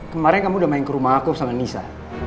kemarin kamu udah main ke rumah aku sama nisa